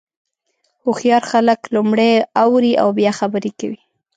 هوښیار خلک لومړی اوري او بیا خبرې کوي.